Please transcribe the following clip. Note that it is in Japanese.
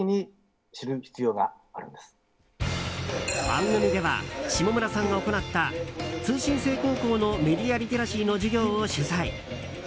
番組では、下村さんが行った通信制高校のメディアリテラシーの授業を取材。